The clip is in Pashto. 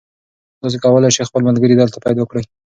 تاسي کولای شئ خپل ملګري دلته پیدا کړئ.